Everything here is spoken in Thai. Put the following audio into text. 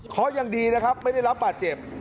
เพราะยังดีนะครับไม่ได้รับบาดเจ็บ